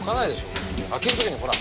開ける時にほら。